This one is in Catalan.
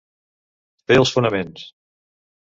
Fer els fonaments.